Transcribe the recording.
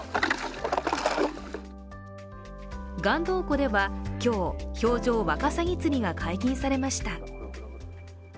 岩洞湖では今日、氷上ワカサギ釣りが解禁されました。